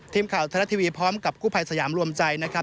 ทีมข่าวไทยรัฐทีวีพร้อมกับกู้ภัยสยามรวมใจนะครับ